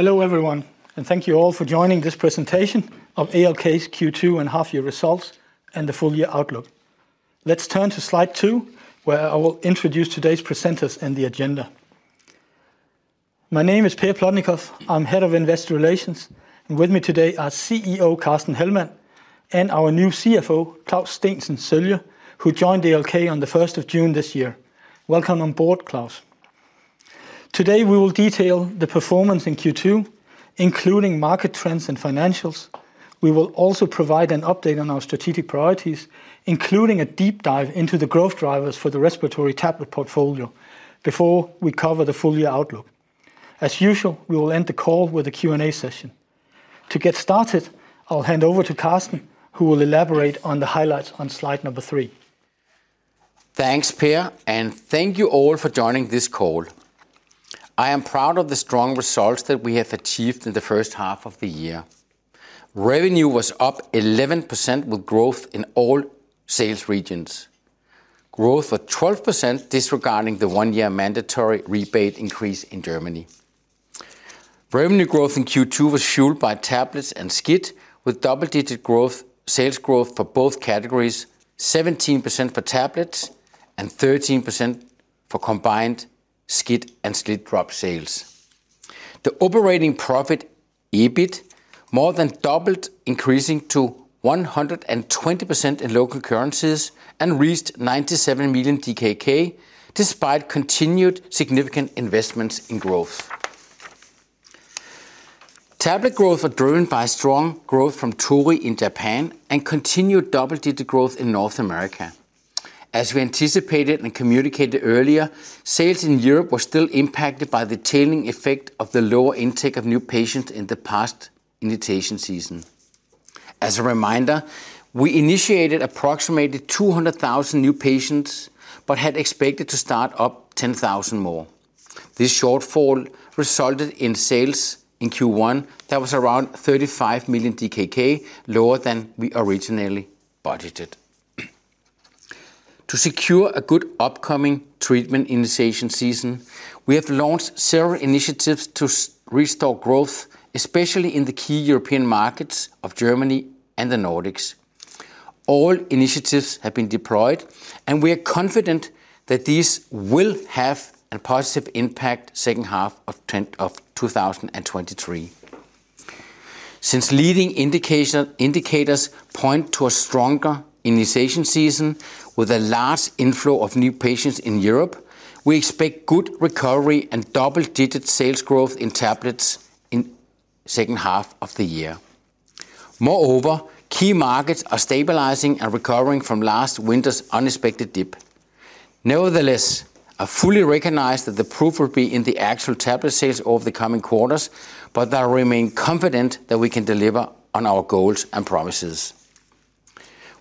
Hello, everyone, and thank you all for joining this presentation of ALK's Q2 and half year results and the full year outlook. Let's turn to slide two, where I will introduce today's presenters and the agenda. My name is Per Plotnikof. I'm Head of Investor Relations, and with me today are CEO Carsten Hellmann and our new CFO Claus Steensen Sølje, who joined ALK on the 1st of June this year. Welcome on board, Claus. Today, we will detail the performance in Q2, including market trends and financials. We will also provide an update on our strategic priorities, including a deep dive into the growth drivers for the respiratory tablet portfolio before we cover the full year outlook. As usual, we will end the call with a Q&A session. To get started, I'll hand over to Carsten, who will elaborate on the highlights on slide number three. Thanks, Per, and thank you all for joining this call. I am proud of the strong results that we have achieved in the first half of the year. Revenue was up 11%, with growth in all sales regions. Growth of 12%, disregarding the one-year mandatory rebate increase in Germany. Revenue growth in Q2 was fueled by Tablets and SCIT, with double-digit growth: sales growth for both categories: 17% for tablets and 13% for combined SCIT and SLIT drop sales. The operating profit, EBIT, more than doubled, increasing to 120% in local currencies and reached 97 million DKK, despite continued significant investments in growth. Tablet growth are driven by strong growth from Torii in Japan and continued double-digit growth in North America. As we anticipated and communicated earlier, sales in Europe were still impacted by the tailing effect of the lower intake of new patients in the past initiation season. As a reminder, we initiated approximately 200,000 new patients, but had expected to start up 10,000 more. This shortfall resulted in sales in Q1 that was around 35 million DKK, lower than we originally budgeted. To secure a good upcoming treatment initiation season, we have launched several initiatives to restore growth, especially in the key European markets of Germany and the Nordics. All initiatives have been deployed, and we are confident that these will have a positive impact second half of 2023. Since leading indicators point to a stronger initiation season with a large inflow of new patients in Europe, we expect good recovery and double-digit sales growth in tablets in second half of the year. Moreover, key markets are stabilizing and recovering from last winter's unexpected dip. Nevertheless, I fully recognize that the proof will be in the actual tablet sales over the coming quarters, but I remain confident that we can deliver on our goals and promises.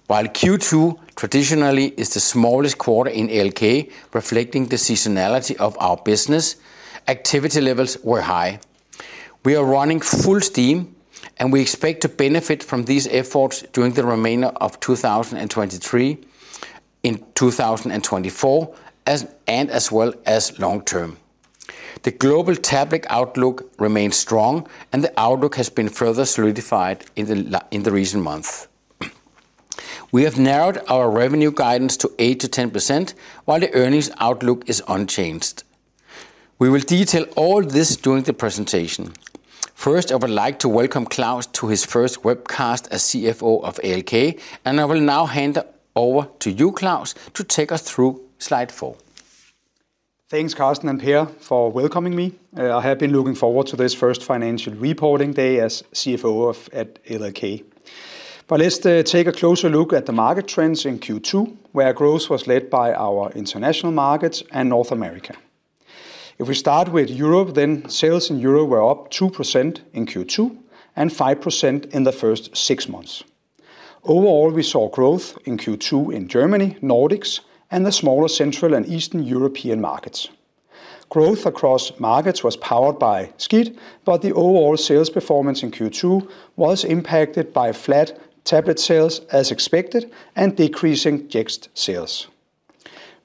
While Q2 traditionally is the smallest quarter in ALK, reflecting the seasonality of our business, activity levels were high. We are running full steam, and we expect to benefit from these efforts during the remainder of 2023, in 2024, as well as long term. The global tablet outlook remains strong, and the outlook has been further solidified in the recent months. VWe have narrowed our revenue guidance to 8%-10%, while the earnings outlook is unchanged. We will detail all this during the presentation. First, I would like to welcome Claus to his first webcast as CFO of ALK, and I will now hand it over to you, Claus, to take us through slide four. Thanks, Carsten and Per, for welcoming me. I have been looking forward to this first financial reporting day as CFO at ALK. But let's take a closer look at the market trends in Q2, where growth was led by our international markets and North America. If we start with Europe, then sales in Europe were up 2% in Q2 and 5% in the first six months. Overall, we saw growth in Q2 in Germany, Nordics, and the smaller Central and Eastern European markets. Growth across markets was powered by SCIT, but the overall sales performance in Q2 was impacted by flat tablet sales, as expected, and decreasing Jext sales.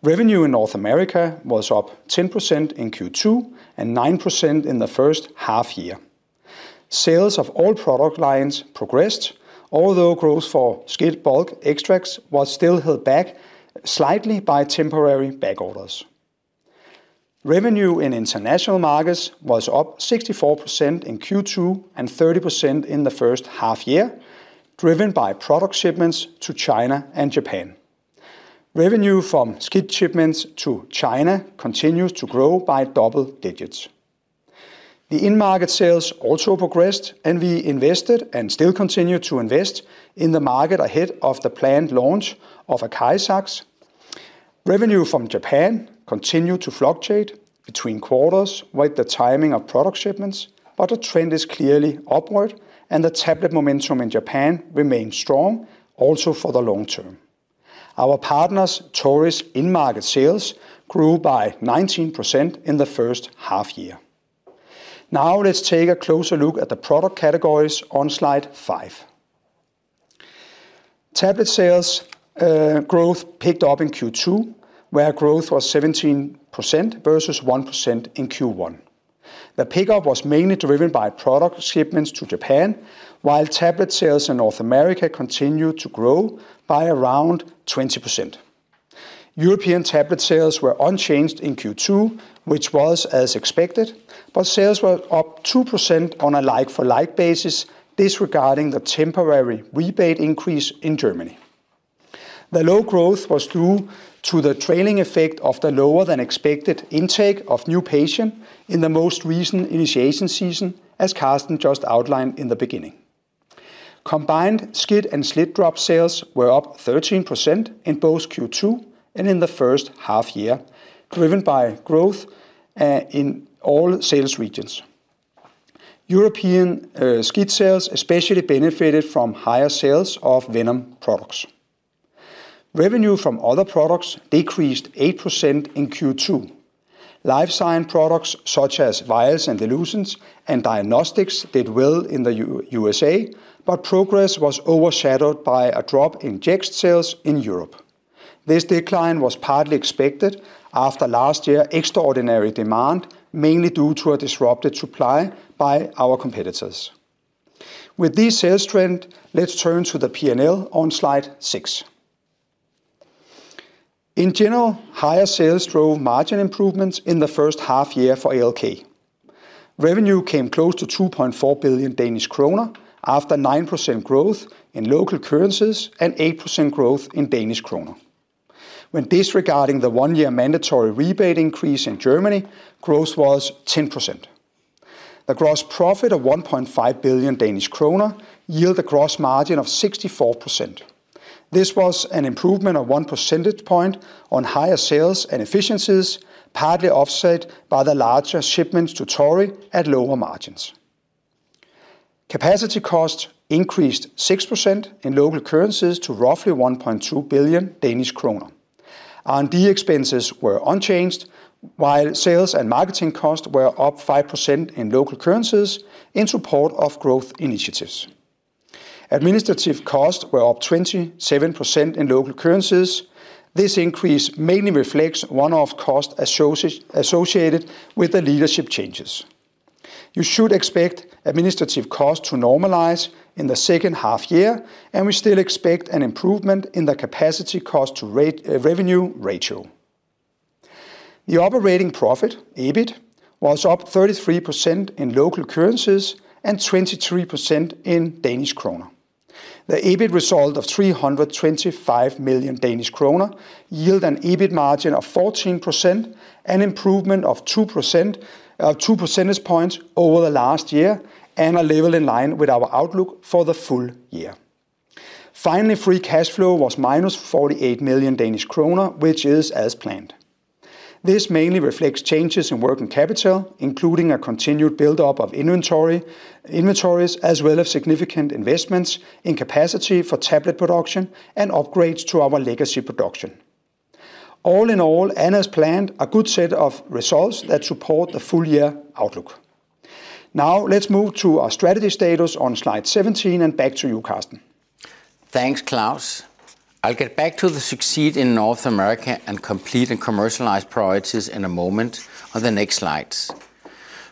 Revenue in North America was up 10% in Q2, and 9% in the first half year. Sales of all product lines progressed, although growth for SCIT bulk extracts was still held back slightly by temporary back orders. Revenue in international markets was up 64% in Q2, and 30% in the first half year, driven by product shipments to China and Japan. Revenue from SCIT shipments to China continues to grow by double digits. The in-market sales also progressed, and we invested, and still continue to invest, in the market ahead of the planned launch of ACARIZAX. Revenue from Japan continued to fluctuate between quarters with the timing of product shipments, but the trend is clearly upward and the tablet momentum in Japan remains strong also for the long term. Our partners, Torii's in-market sales, grew by 19% in the first half year. Now, let's take a closer look at the product categories on slide five. Tablet sales growth picked up in Q2, where growth was 17% versus 1% in Q1. The pickup was mainly driven by product shipments to Japan, while Tablet sales in North America continued to grow by around 20%. European Tablet sales were unchanged in Q2, which was as expected, but sales were up 2% on a like-for-like basis, disregarding the temporary rebate increase in Germany. The low growth was due to the trailing effect of the lower-than-expected intake of new patient in the most recent initiation season, as Carsten just outlined in the beginning. Combined SCIT and SLIT-drop sales were up 13% in both Q2 and in the first half year, driven by growth in all sales regions. European SCIT sales especially benefited from higher sales of venom products. Revenue from other products decreased 8% in Q2. Life science products, such as vials and dilutions and diagnostics, did well in the USA, but progress was overshadowed by a drop in Jext sales in Europe. This decline was partly expected after last year extraordinary demand, mainly due to a disrupted supply by our competitors. With this sales trend, let's turn to the P&L on slide six. In general, higher sales drove margin improvements in the first half year for ALK. Revenue came close to 2.4 billion Danish kroner, after 9% growth in local currencies and 8% growth in Danish kroner. When disregarding the one-year mandatory rebate increase in Germany, growth was 10%. The gross profit of 1.5 billion Danish kroner yield a gross margin of 64%. This was an improvement of 1 percentage point on higher sales and efficiencies, partly offset by the larger shipments to Torii at lower margins. Capacity costs increased 6% in local currencies to roughly 1.2 billion Danish kroner. R&D expenses were unchanged, while sales and marketing costs were up 5% in local currencies in support of growth initiatives. Administrative costs were up 27% in local currencies. This increase mainly reflects one-off costs associated with the leadership changes. You should expect administrative costs to normalize in the second half year, and we still expect an improvement in the capacity cost-to-revenue ratio. The operating profit, EBIT, was up 33% in local currencies and 23% in Danish kroner. The EBIT result of 325 million Danish kroner yields an EBIT margin of 14%, an improvement of two percentage points over the last year and are level in line with our outlook for the full year. Finally, free cash flow was -48 million Danish kroner, which is as planned. This mainly reflects changes in working capital, including a continued buildup of inventories, as well as significant investments in capacity for tablet production and upgrades to our legacy production. All in all, and as planned, a good set of results that support the full year outlook. Now, let's move to our strategy status on slide seven, and back to you, Carsten. Thanks, Claus. I'll get back to the Succeed in North America and Complete and Commercialize priorities in a moment on the next slides.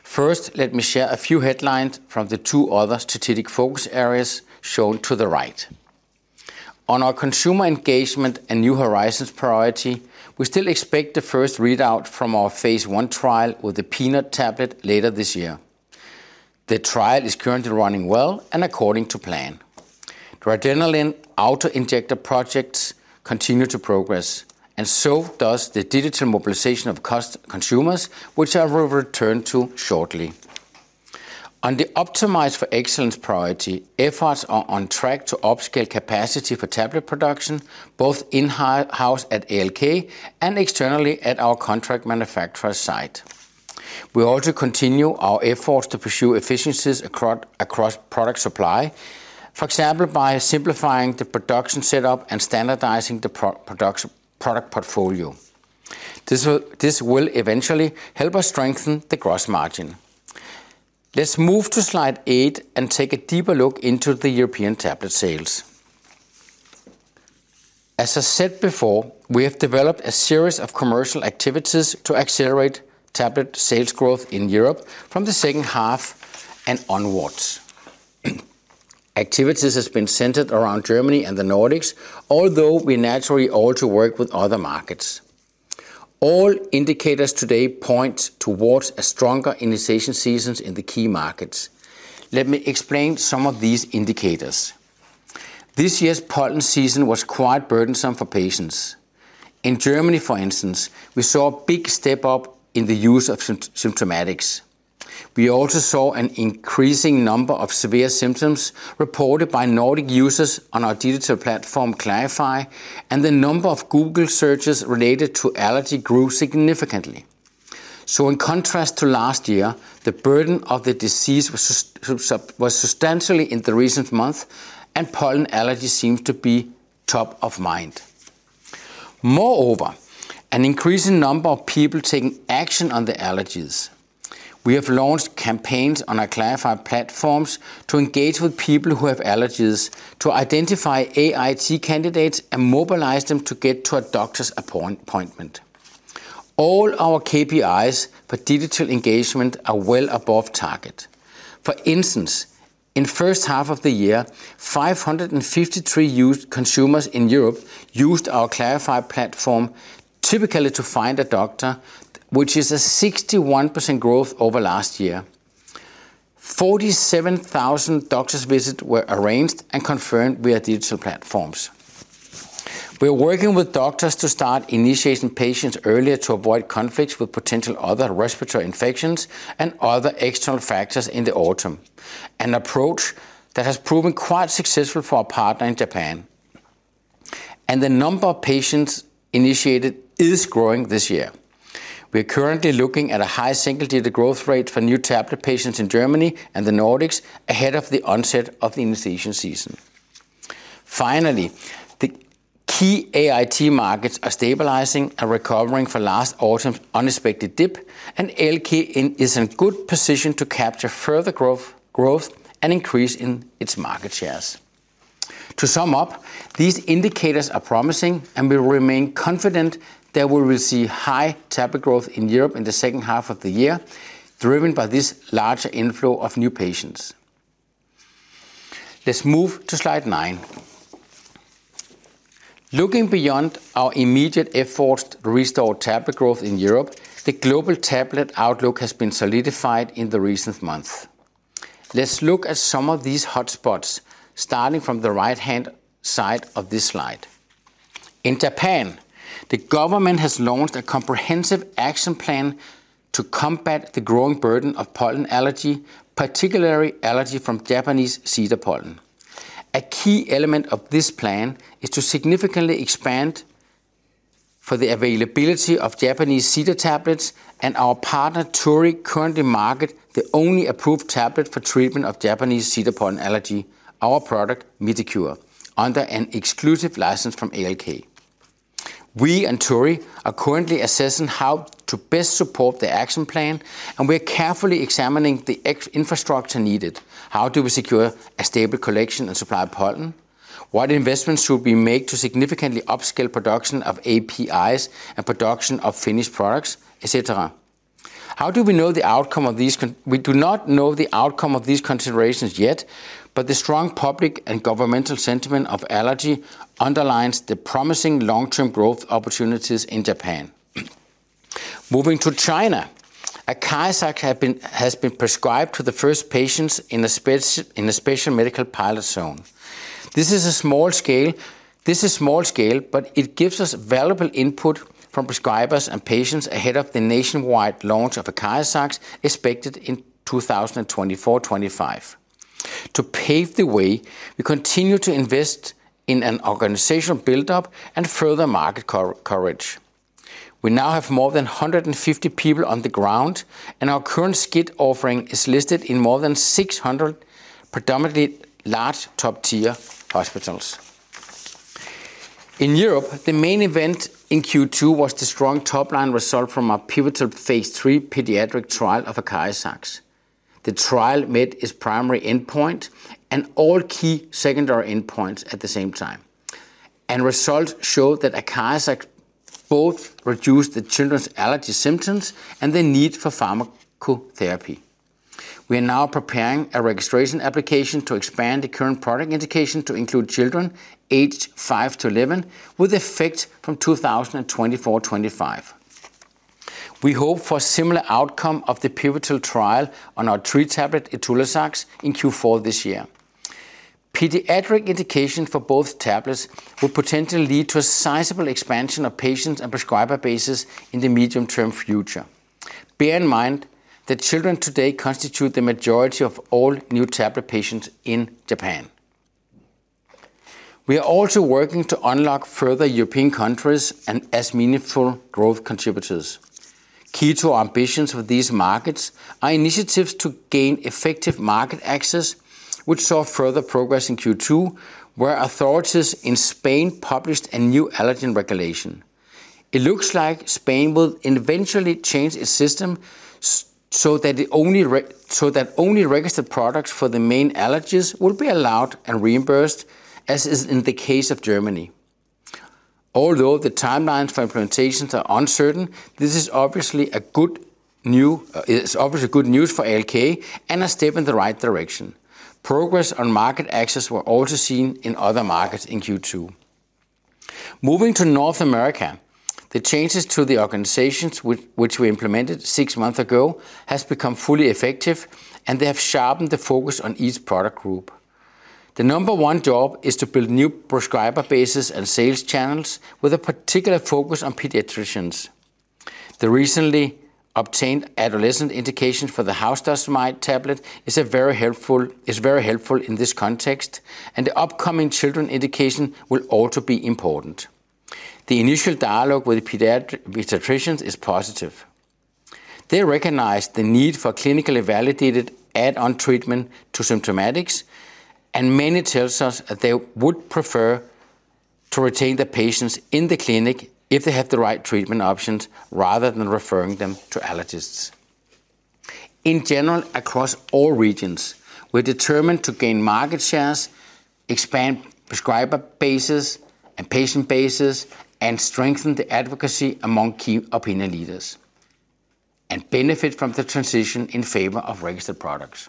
First, let me share a few headlines from the two other strategic focus areas shown to the right. On our Consumer engagement and New Horizons priority, we still expect the first readout from our phase I trial with the peanut tablet later this year. The trial is currently running well and according to plan. The adrenaline auto-injector projects continue to progress, and so does the digital mobilization of consumers, which I will return to shortly. On the Optimized for Excellence priority, efforts are on track to upscale capacity for tablet production, both in house at ALK and externally at our contract manufacturer site. We also continue our efforts to pursue efficiencies across product supply. For example, by simplifying the production setup and standardizing the product portfolio. This will eventually help us strengthen the gross margin. Let's move to slide eight and take a deeper look into the European tablet sales. As I said before, we have developed a series of commercial activities to accelerate tablet sales growth in Europe from the second half and onwards. Activity has been centered around Germany and the Nordics, although we naturally also work with other markets. All indicators today point towards a stronger initiation seasons in the key markets. Let me explain some of these indicators. This year's pollen season was quite burdensome for patients. In Germany, for instance, we saw a big step up in the use of symptomatics. We also saw an increasing number of severe symptoms reported by Nordic users on our digital platform, Klarify, and the number of Google searches related to allergy grew significantly. So in contrast to last year, the burden of the disease was substantially in the recent months, and pollen allergy seems to be top of mind. Moreover, an increasing number of people taking action on their allergies. We have launched campaigns on our Klarify platforms to engage with people who have allergies, to identify AIT candidates, and mobilize them to get to a doctor's appointment. All our KPIs for digital engagement are well above target. For instance, in first half of the year, 553 consumers in Europe used our Klarify platform, typically to find a doctor, which is a 61% growth over last year. 47,000 doctors visits were arranged and confirmed via digital platforms. We are working with doctors to start initiating patients earlier to avoid conflicts with potential other respiratory infections and other external factors in the autumn, an approach that has proven quite successful for our partner in Japan. The number of patients initiated is growing this year. We are currently looking at a high single-digit growth rate for new tablet patients in Germany and the Nordics ahead of the onset of the initiation season. Finally, the key AIT markets are stabilizing and recovering from last autumn's unexpected dip, and ALK is in a good position to capture further growth, growth and increase in its market shares. To sum up, these indicators are promising, and we remain confident that we will see high tablet growth in Europe in the second half of the year, driven by this larger inflow of new patients. Let's move to slide nine. Looking beyond our immediate efforts to restore tablet growth in Europe, the global tablet outlook has been solidified in the recent months. Let's look at some of these hotspots, starting from the right-hand side of this slide. In Japan, the government has launched a comprehensive action plan to combat the growing burden of pollen allergy, particularly allergy from Japanese cedar pollen. A key element of this plan is to significantly expand for the availability of Japanese cedar tablets, and our partner, Torii, currently market the only approved tablet for treatment of Japanese cedar pollen allergy, our product, MITICURE, under an exclusive license from ALK. We and Torii are currently assessing how to best support the action plan, and we are carefully examining the existing infrastructure needed. How do we secure a stable collection and supply of pollen? What investments should we make to significantly upscale production of APIs and production of finished products, et cetera? We do not know the outcome of these considerations yet, but the strong public and governmental sentiment of allergy underlines the promising long-term growth opportunities in Japan. Moving to China, ACARIZAX has been prescribed to the first patients in a special medical pilot zone. This is small scale, but it gives us valuable input from prescribers and patients ahead of the nationwide launch of ACARIZAX, expected in 2024-2025. To pave the way, we continue to invest in an organizational build-up and further market coverage. We now have more than 150 people on the ground, and our current SCIT offering is listed in more than 600 predominantly large top-tier hospitals. In Europe, the main event in Q2 was the strong top-line result from our pivotal phase III pediatric trial of ACARIZAX. The trial met its primary endpoint and all key secondary endpoints at the same time. Results showed that ACARIZAX both reduced the children's allergy symptoms and the need for pharmacotherapy. We are now preparing a registration application to expand the current product indication to include children aged 5 to 11, with effect from 2024, 2025. We hope for a similar outcome of the pivotal trial on our tree tablet, ITULAZAX, in Q4 this year. Pediatric indication for both tablets will potentially lead to a sizable expansion of patients and prescriber bases in the medium-term future. Bear in mind that children today constitute the majority of all new tablet patients in Japan. We are also working to unlock further European countries as meaningful growth contributors. Key to our ambitions with these markets are initiatives to gain effective market access, which saw further progress in Q2, where authorities in Spain published a new allergen regulation. It looks like Spain will eventually change its system so that only registered products for the main allergies will be allowed and reimbursed, as is in the case of Germany. Although the timelines for implementations are uncertain, this is obviously good news for ALK and a step in the right direction. Progress on market access were also seen in other markets in Q2. Moving to North America, the changes to the organizations, which we implemented six months ago, has become fully effective, and they have sharpened the focus on each product group. The number one job is to build new prescriber bases and sales channels with a particular focus on pediatricians. The recently obtained adolescent indication for the house dust mite tablet is very helpful in this context, and the upcoming children indication will also be important. The initial dialogue with pediatricians is positive. They recognize the need for clinically validated add-on treatment to symptomatics, and many tells us that they would prefer to retain the patients in the clinic if they have the right treatment options, rather than referring them to allergists. In general, across all regions, we're determined to gain market shares, expand prescriber bases and patient bases, and strengthen the advocacy among key opinion leaders, and benefit from the transition in favor of registered products.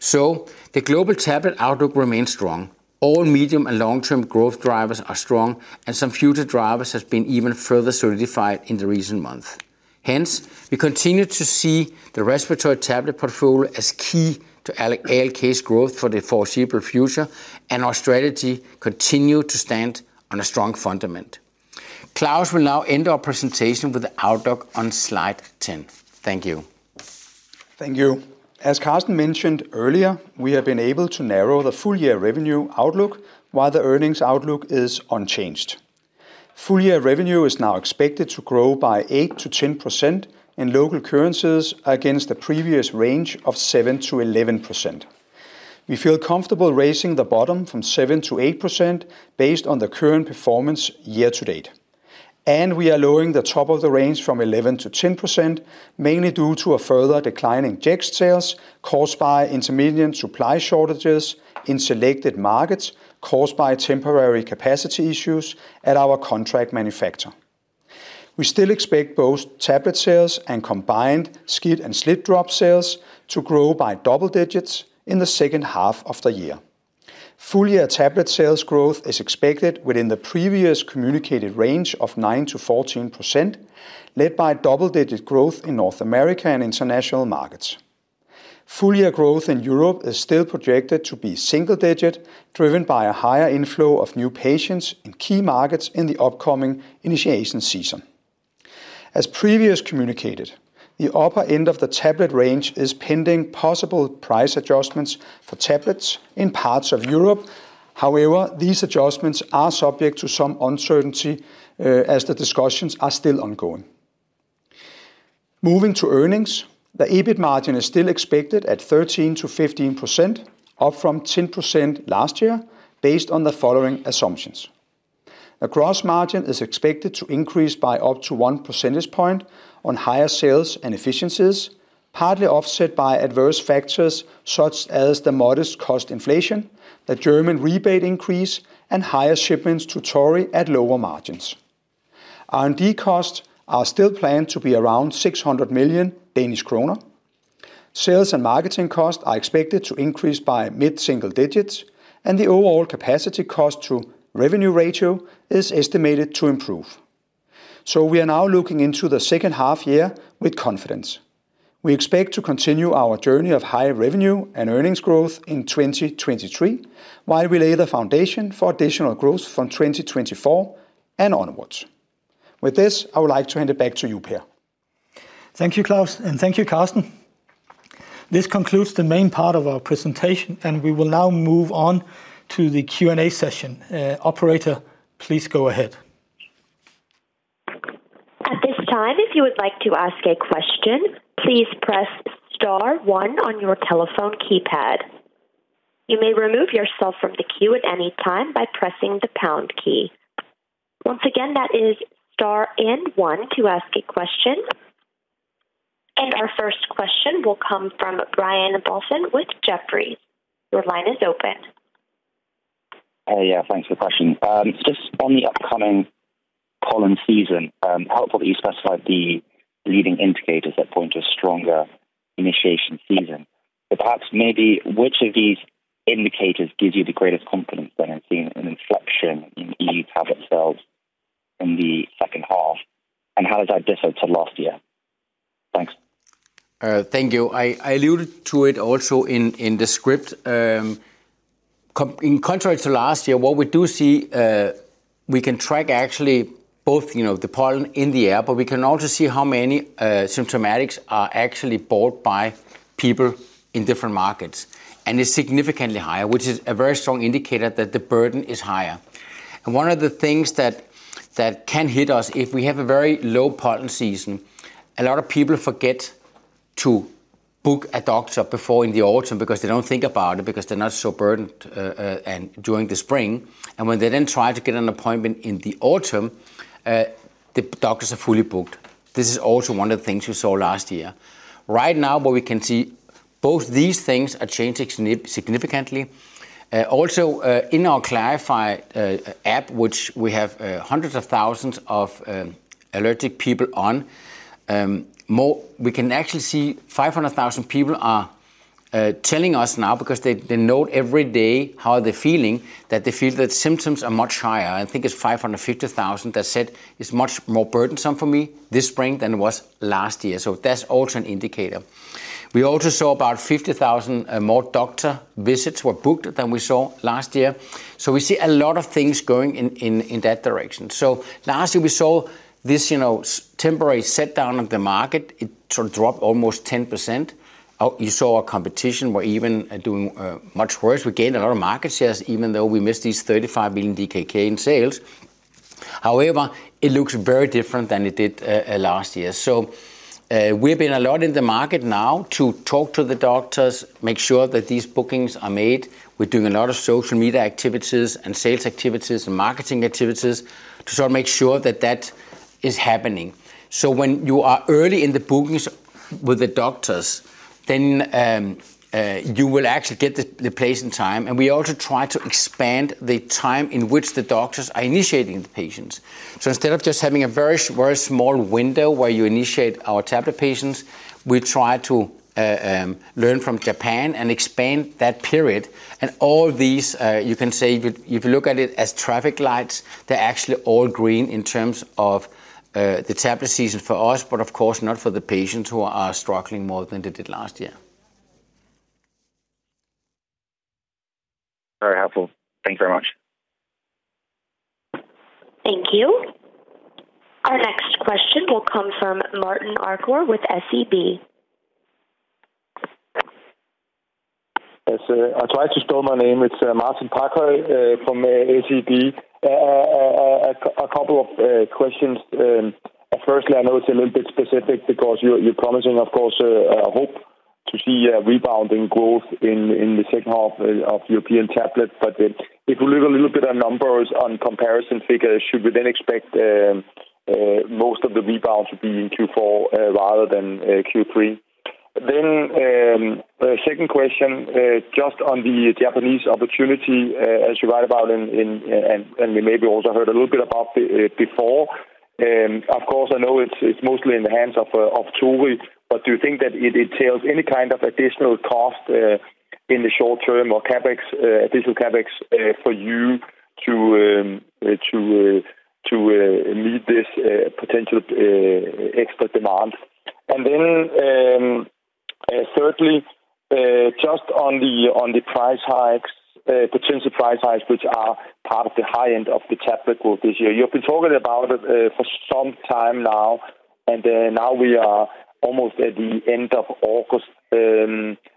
So the global tablet outlook remains strong. All medium and long-term growth drivers are strong, and some future drivers has been even further solidified in the recent months. Hence, we continue to see the respiratory tablet portfolio as key to ALK's growth for the foreseeable future, and our strategy continue to stand on a strong foundation. Claus will now end our presentation with the outlook on slide 10. Thank you. Thank you. As Carsten mentioned earlier, we have been able to narrow the full year revenue outlook, while the earnings outlook is unchanged. Full year revenue is now expected to grow by 8%-10% in local currencies, against the previous range of 7%-11%. We feel comfortable raising the bottom from 7%-8% based on the current performance year to date. And we are lowering the top of the range from 11%-10%, mainly due to a further decline in Jext sales caused by intermittent supply shortages in selected markets, caused by temporary capacity issues at our contract manufacturer. We still expect both tablet sales and combined SCIT and SLIT drop sales to grow by double digits in the second half of the year. Full year tablet sales growth is expected within the previous communicated range of 9%-14%, led by double-digit growth in North America and international markets. Full year growth in Europe is still projected to be single-digit, driven by a higher inflow of new patients in key markets in the upcoming initiation season. As previously communicated, the upper end of the tablet range is pending possible price adjustments for tablets in parts of Europe. However, these adjustments are subject to some uncertainty, as the discussions are still ongoing. Moving to earnings, the EBIT margin is still expected at 13%-15%, up from 10% last year, based on the following assumptions: The gross margin is expected to increase by up to 1 percentage point on higher sales and efficiencies, partly offset by adverse factors such as the modest cost inflation, the German rebate increase, and higher shipments to Torii at lower margins. R&D costs are still planned to be around 600 million Danish kroner. Sales and marketing costs are expected to increase by mid-single digits, and the overall capacity cost to revenue ratio is estimated to improve. So we are now looking into the second half year with confidence. We expect to continue our journey of higher revenue and earnings growth in 2023, while we lay the foundation for additional growth from 2024 and onwards. With this, I would like to hand it back to you, Per. Thank you, Claus, and thank you, Carsten. This concludes the main part of our presentation, and we will now move on to the Q&A session. Operator, please go ahead. At this time, if you would like to ask a question, please press star one on your telephone keypad. You may remove yourself from the queue at any time by pressing the pound key. Once again, that is star and one to ask a question. And our first question will come from Brian Balchin with Jefferies. Your line is open. Yeah, thanks for the question. Just on the upcoming pollen season, helpful that you specified the leading indicators that point to a stronger initiation season. But perhaps maybe which of these indicators gives you the greatest confidence then in seeing an inflection in tree tablet sales in the second half? And how does that differ to last year? Thanks. Thank you. I alluded to it also in the script. Contrary to last year, what we do see, we can track actually both, you know, the pollen in the air, but we can also see how many symptomatics are actually bought by people in different markets. And it's significantly higher, which is a very strong indicator that the burden is higher. And one of the things that can hit us if we have a very low pollen season, a lot of people forget to book a doctor before in the autumn because they don't think about it, because they're not so burdened and during the spring. And when they then try to get an appointment in the autumn, the doctors are fully booked. This is also one of the things we saw last year. Right now, but we can see both these things are changing significantly. Also, in our Klarify app, which we have hundreds of thousands of allergic people on, more we can actually see 500,000 people are telling us now, because they, they note every day how they're feeling, that they feel that symptoms are much higher. I think it's 550,000 that said, "It's much more burdensome for me this spring than it was last year." So that's also an indicator. We also saw about 50,000 more doctor visits were booked than we saw last year. So we see a lot of things going in that direction. So last year we saw this, you know, temporary slowdown of the market. It sort of dropped almost 10%. You saw our competition were even doing much worse. We gained a lot of market shares, even though we missed these 35 million DKK in sales. However, it looks very different than it did last year. So, we've been a lot in the market now to talk to the doctors, make sure that these bookings are made. We're doing a lot of social media activities and sales activities and marketing activities to sort of make sure that that is happening. So when you are early in the bookings with the doctors, then you will actually get the place and time, and we also try to expand the time in which the doctors are initiating the patients. So instead of just having a very, very small window where you initiate our tablet patients, we try to learn from Japan and expand that period. And all these, you can say, if you look at it as traffic lights, they're actually all green in terms of the tablet season for us, but of course not for the patients who are struggling more than they did last year. Very helpful. Thank you very much. Thank you. Our next question will come from Martin Parkhøi with SEB. Yes, I tried to spell my name. It's Martin Parkhøi from SEB. A couple of questions. Firstly, I know it's a little bit specific because you're promising, of course, a hope to see a rebounding growth in the second half of European tablets, but if we look a little bit at numbers on comparison figures, should we then expect most of the rebound to be in Q4 rather than Q3? Then, second question, just on the Japanese opportunity, as you write about in and we maybe also heard a little bit about it before. Of course, I know it's mostly in the hands of Torii, but do you think that it entails any kind of additional cost in the short term or CapEx, additional CapEx, for you to meet this potential extra demand? And then, thirdly, just on the price hikes, potential price hikes, which are part of the high end of the tablet growth this year. You've been talking about it for some time now, and now we are almost at the end of August.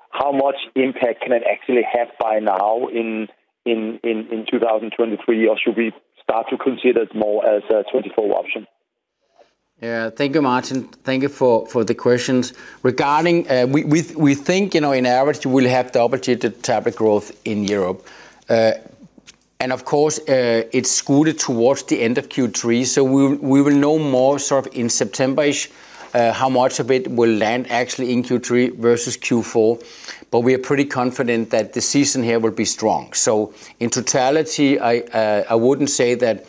How much impact can it actually have by now in 2023, or should we start to consider it more as a 2024 option? Yeah. Thank you, Martin. Thank you for the questions. Regarding, we think, you know, in average, we'll have the opportunity to tablet growth in Europe. And of course, it's scooted towards the end of Q3, so we will know more sort of in September-ish, how much of it will land actually in Q3 versus Q4, but we are pretty confident that the season here will be strong. So in totality, I wouldn't say that,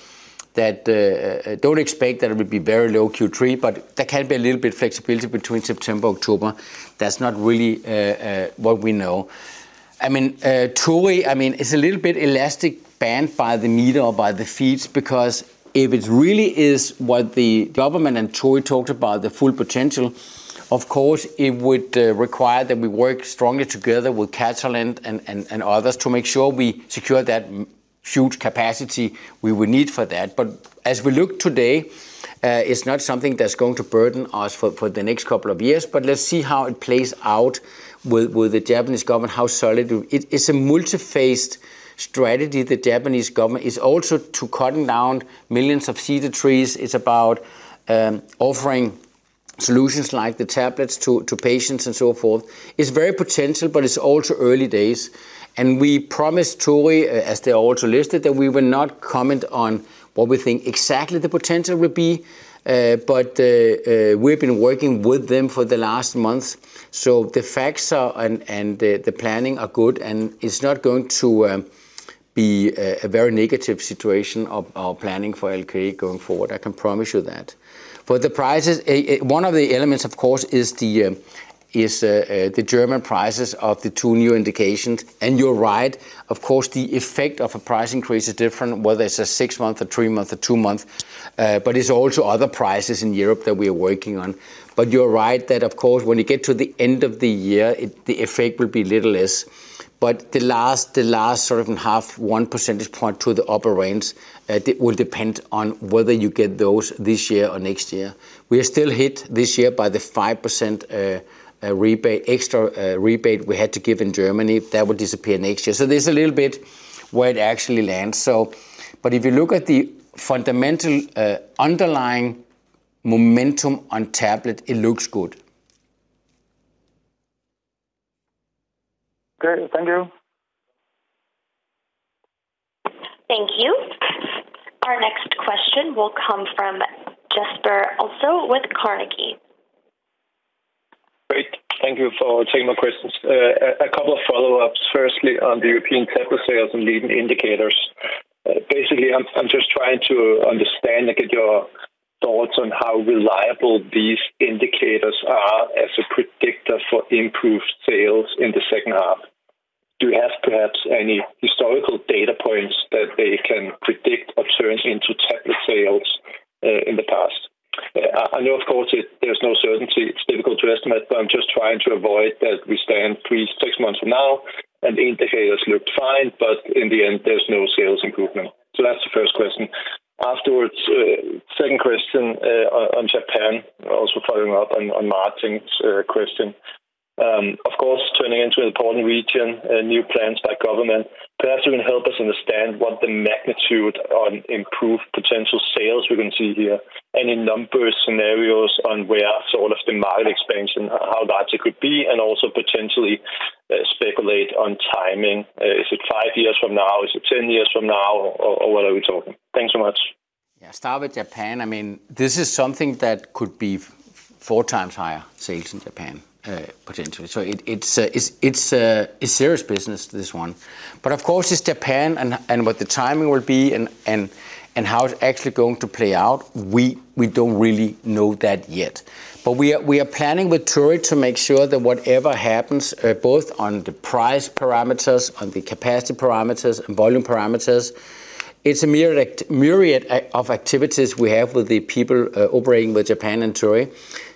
that, don't expect that it would be very low Q3, but there can be a little bit of flexibility between September, October. That's not really what we know. I mean, Torii, I mean, it's a little bit elastic band by the meter or by the feet, because if it really is what the government and Torii talked about, the full potential, of course, it would require that we work strongly together with Catalent and others to make sure we secure that huge capacity we would need for that. But as we look today, it's not something that's going to burden us for the next couple of years, but let's see how it plays out with the Japanese government, how solid it. It's a multifaceted strategy. The Japanese government is also to cutting down millions of cedar trees. It's about offering solutions like the tablets to patients and so forth. It's very potential, but it's also early days. And we promised Torii, as they also listed, that we will not comment on what we think exactly the potential will be, but we've been working with them for the last month, so the facts are, and the planning are good, and it's not going to be a very negative situation of our planning for ALK going forward. I can promise you that. But the prices, one of the elements, of course, is the German prices of the two new indications. And you're right, of course, the effect of a price increase is different, whether it's a six month or three month or two month, but it's also other prices in Europe that we are working on. But you're right, that of course, when you get to the end of the year, the effect will be little less. But the last sort of half one percentage point to the upper range, it will depend on whether you get those this year or next year. We are still hit this year by the 5% extra rebate we had to give in Germany. That would disappear next year. So there's a little bit where it actually lands. So, but if you look at the fundamental underlying momentum on tablet, it looks good. Great. Thank you. Thank you. Our next question will come from Jesper Ilsøe with Carnegie. Great, thank you for taking my questions. A couple of follow-ups. Firstly, on the European tablet sales and leading indicators. Basically, I'm just trying to understand and get your thoughts on how reliable these indicators are as a predictor for improved sales in the second half. Do you have perhaps any historical data points that they can predict or turn into tablet sales in the past? I know, of course, there's no certainty. It's difficult to estimate, but I'm just trying to avoid that we stand in six months from now and indicators looked fine, but in the end, there's no sales improvement. So that's the first question. Second question, on Japan, also following up on Martin's question. Of course, turning into an important region and new plans by government, perhaps you can help us understand what the magnitude on improved potential sales we can see here. Any numbers, scenarios on where sort of the market expansion, how large it could be, and also potentially, speculate on timing. Is it five years from now? Is it 10 years from now, or, or what are we talking? Thanks so much. Yeah, start with Japan. I mean, this is something that could be four times higher sales in Japan, potentially. So it's a serious business, this one. But of course, it's Japan and what the timing will be and how it's actually going to play out, we don't really know that yet. But we are planning with Torii to make sure that whatever happens, both on the price parameters, on the capacity parameters and volume parameters, it's a myriad of activities we have with the people operating with Japan and Torii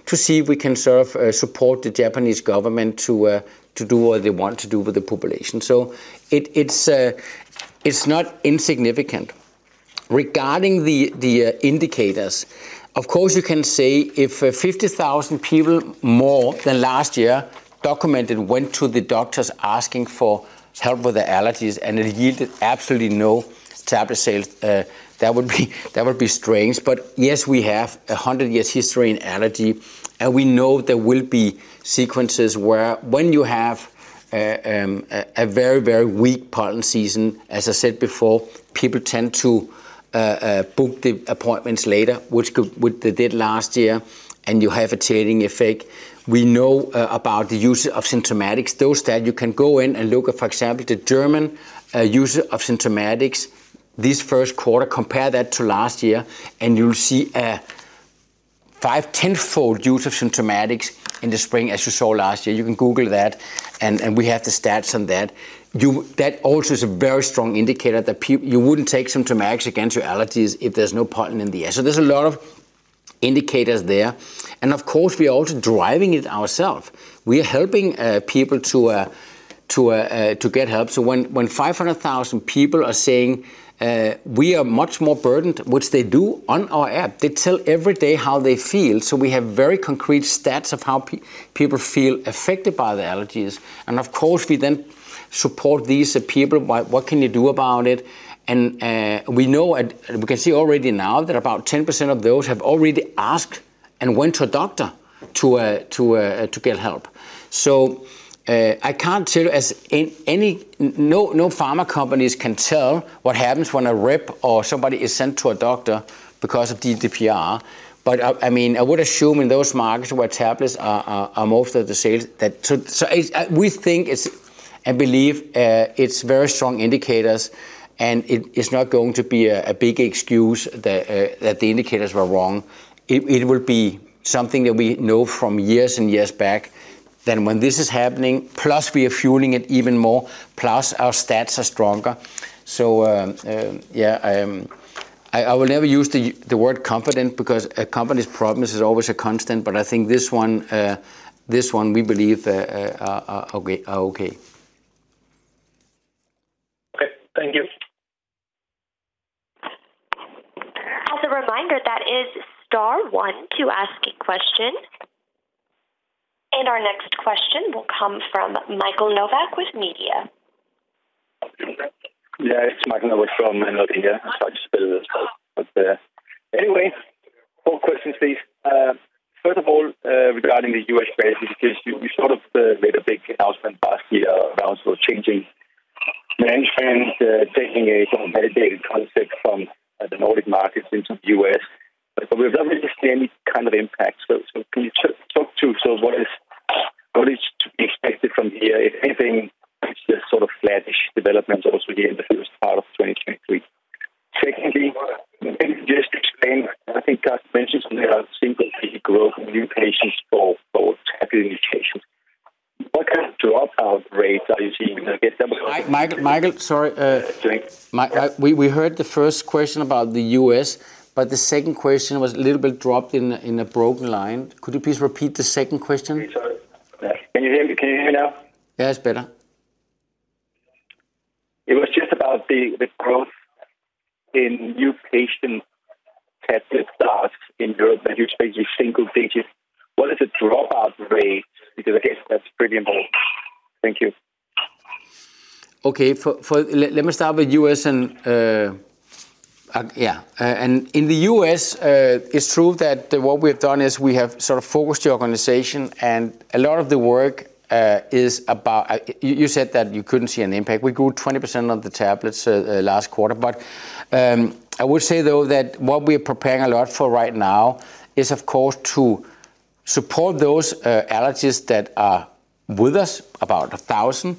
to see if we can support the Japanese government to do what they want to do with the population. So it's not insignificant. Regarding the indicators, of course, you can say if 50,000 people more than last year documented went to the doctors asking for help with their allergies, and it yielded absolutely no tablet sales, that would be, that would be strange. But yes, we have 100 years history in allergy, and we know there will be sequences where when you have a very, very weak pollen season, as I said before, people tend to book the appointments later, which could—which they did last year, and you have a tailing effect. We know about the use of symptomatics. Those that you can go in and look at, for example, the German use of symptomatics this first quarter, compare that to last year, and you'll see a 5-10-fold use of symptomatics in the spring as you saw last year. You can Google that, and we have the stats on that. That also is a very strong indicator that you wouldn't take symptomatics against your allergies if there's no pollen in the air. So there's a lot of indicators there. And of course, we are also driving it ourselves. We are helping people to get help. So when 500,000 people are saying, "We are much more burdened," which they do on our app, they tell every day how they feel. So we have very concrete stats of how people feel affected by the allergies. Of course, we then support these people by what can you do about it? We know, and we can see already now that about 10% of those have already asked and went to a doctor to get help. So, I can't tell you as any—no, no pharma companies can tell what happens when a rep or somebody is sent to a doctor because of GDPR. But I mean, I would assume in those markets where tablets are most of the sales, that so, so it's, we think it's, and believe, it's very strong indicators, and it, it's not going to be a big excuse that the indicators were wrong. It will be something that we know from years and years back, that when this is happening, plus we are fueling it even more, plus our stats are stronger. So, I will never use the word confident because a company's problems is always a constant, but I think this one, this one we believe are okay, are okay. Okay, thank you. As a reminder, that is star one to ask a question. Our next question will come from Michael Novod with Nordea. Yeah, it's Michael Novod from Nordea. Sorry, I just spilled this, but... Anyway, four questions, please. First of all, regarding the U.S. business, because you, you sort of made a big announcement last year around sort of changing management, taking a sort of validated concept from the Nordic markets into the U.S. But we've not really seen any kind of impact. So, can you talk to what is to be expected from here, if anything, it's the sort of flattish developments also here in the first part of 2023. Secondly, can you just explain, I think Cartsen mentioned something about single figure growth in new patients for tablet indications. What kind of dropout rates are you seeing against them? Michael, Michael, sorry. Thanks. Mike, we heard the first question about the U.S., but the second question was a little bit dropped in a broken line. Could you please repeat the second question? Sorry. Can you hear me, can you hear me now? Yeah, it's better. It was just about the growth in new patient tablet starts in Europe, that you've seen single digits. What is the dropout rate? Because I guess that's pretty important. Thank you. Okay. Let me start with U.S. and, yeah, and in the U.S., it's true that what we have done is we have sort of focused the organization and a lot of the work is about. You said that you couldn't see an impact. We grew 20% of the tablets last quarter. But I would say, though, that what we are preparing a lot for right now is, of course, to support those allergies that are with us, about 1,000.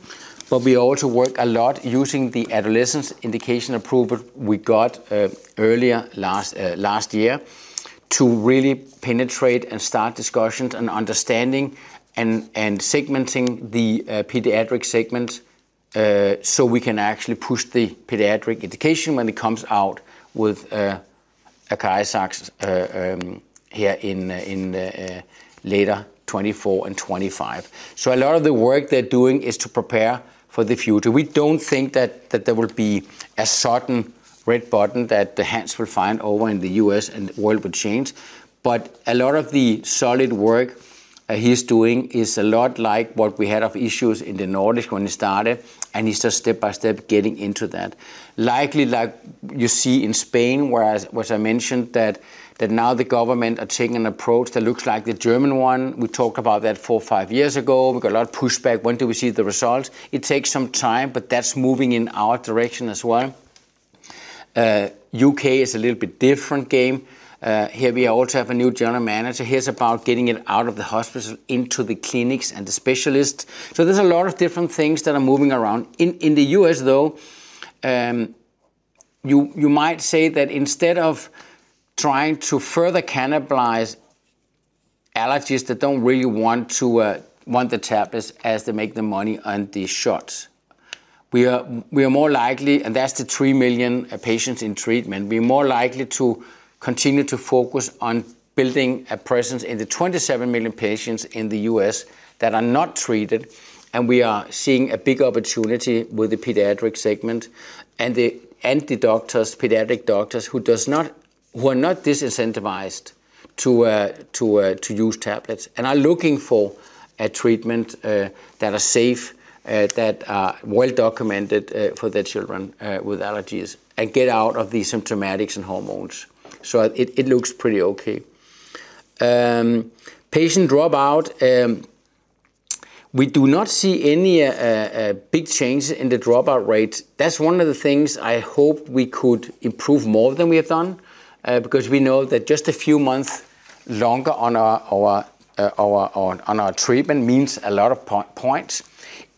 But we also work a lot using the adolescence indication approval we got earlier last year to really penetrate and start discussions and understanding and segmenting the pediatric segment so we can actually push the pediatric indication when it comes out with ACARIZAX here in later 2024 and 2025. So a lot of the work they're doing is to prepare for the future. We don't think that there will be a certain red button that the hands will find over in the U.S. and the world will change. But a lot of the solid work he's doing is a lot like what we had of issues in the Nordics when we started, and he's just step by step getting into that. Likely, like you see in Spain, whereas, which I mentioned that now the government are taking an approach that looks like the German one. We talked about that four to five years ago. We got a lot of pushback. When do we see the results? It takes some time, but that's moving in our direction as well. U.K. is a little bit different game. Here we also have a new general manager. He's about getting it out of the hospitals into the clinics and the specialists. So there's a lot of different things that are moving around. In the U.S., though, you might say that instead of trying to further cannibalize allergists that don't really want to want the tablets as they make the money on these shots. We are more likely, and that's the 3 million patients in treatment, we're more likely to continue to focus on building a presence in the 27 million patients in the U.S. that are not treated, and we are seeing a big opportunity with the pediatric segment. And the doctors, pediatric doctors, who are not disincentivized to use tablets and are looking for a treatment that are safe, that are well documented, for their children with allergies, and get out of the symptomatics and hormones. So it looks pretty okay. Patient dropout, we do not see any big changes in the dropout rate. That's one of the things I hope we could improve more than we have done, because we know that just a few months longer on our treatment means a lot of points.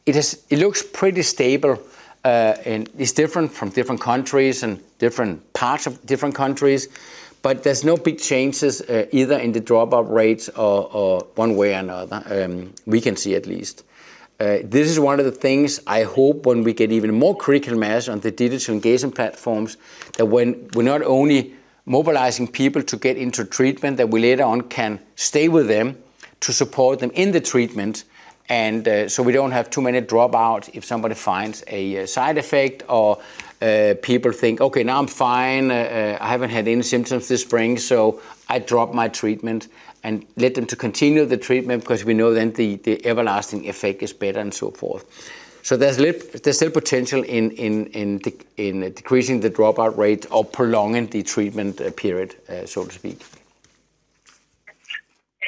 It looks pretty stable, and it's different from different countries and different parts of different countries, but there's no big changes, either in the dropout rates or one way or another, we can see at least. This is one of the things I hope when we get even more critical mass on the digital engagement platforms, that when we're not only mobilizing people to get into treatment, that we later on can stay with them to support them in the treatment. So we don't have too many dropout if somebody finds a side effect or people think, "Okay, now I'm fine. I haven't had any symptoms this spring, so I drop my treatment," and get them to continue the treatment because we know then the everlasting effect is better and so forth. So there's still potential in decreasing the dropout rate or prolonging the treatment period, so to speak.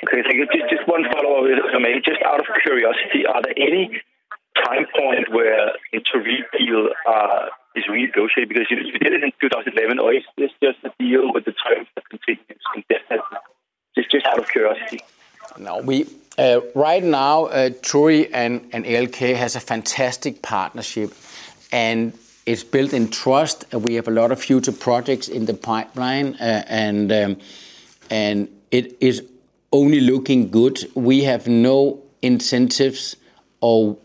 Okay, thank you. Just, just one follow-up on that. Just out of curiosity, are there any time point where the Torii deal is renegotiated? Because you did it in 2011, or is this just a deal with the terms that continues indefinitely? Just, just out of curiosity. No, we right now Torii and ALK has a fantastic partnership, and it's built in trust, and we have a lot of future projects in the pipeline. It is only looking good. We have no incentives or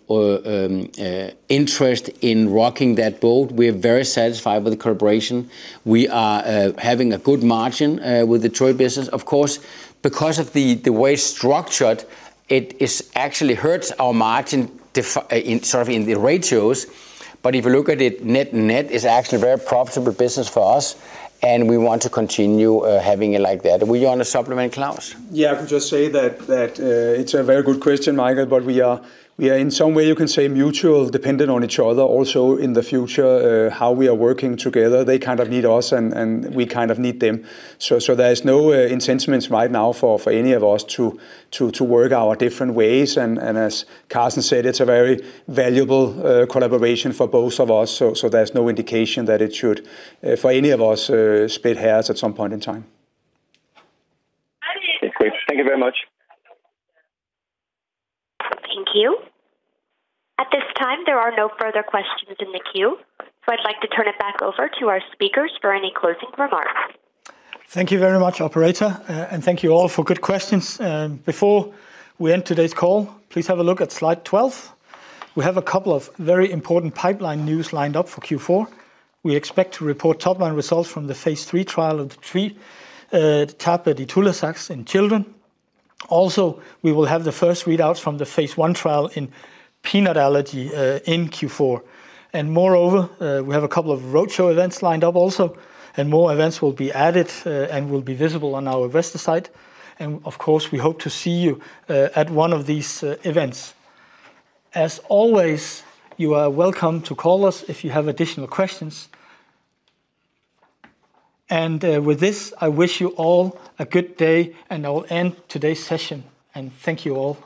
interest in rocking that boat. We are very satisfied with the collaboration. We are having a good margin with the Torii business. Of course, because of the way it's structured, it actually hurts our margin in sort of in the ratios. But if you look at it net-net, it's actually a very profitable business for us, and we want to continue having it like that. Do you want to supplement, Claus? Yeah, I could just say that it's a very good question, Michael, but we are in some way, you can say, mutually dependent on each other. Also, in the future, how we are working together, they kind of need us, and we kind of need them. So, there's no incentives right now for any of us to work our different ways. And, as Carsten said, it's a very valuable collaboration for both of us, so there's no indication that it should for any of us split hairs at some point in time. Okay, great. Thank you very much. Thank you. At this time, there are no further questions in the queue, so I'd like to turn it back over to our speakers for any closing remarks. Thank you very much, operator, and thank you all for good questions. Before we end today's call, please have a look at slide 12. We have a couple of very important pipeline news lined up for Q4. We expect to report top-line results from the phase III trial of the ITULAZAX in children. Also, we will have the first readouts from the phase I trial in peanut allergy in Q4. Moreover, we have a couple of roadshow events lined up also, and more events will be added and will be visible on our website. Of course, we hope to see you at one of these events. As always, you are welcome to call us if you have additional questions. With this, I wish you all a good day, and I will end today's session. Thank you all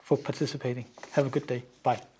for participating. Have a good day. Bye.